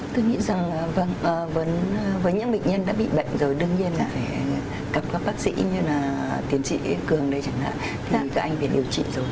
tôi nghĩ rằng với những bệnh nhân đã bị bệnh rồi đương nhiên là phải gặp các bác sĩ như là tiến sĩ cường đây chẳng hạn thì các anh phải điều chỉnh rồi